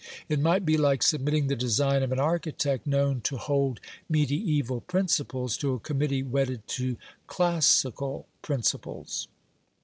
It might be like submitting the design of an architect known to hold "mediaeval principles" to a committee wedded to "classical principles".